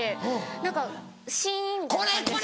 何かシンみたいな。